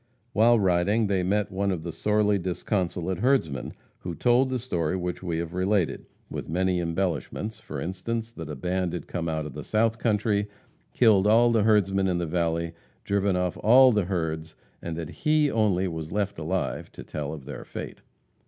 While riding, they met one of the sorely disconsolate herdsmen, who told the story which we have related, with many embellishments; for instance, that a band had come out of the south country, killed all the herdsmen in the valley, driven off all the herds, and that he only was left alive to tell of their fate.